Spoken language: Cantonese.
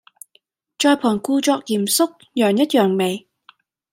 在旁故作嚴肅，揚一揚眉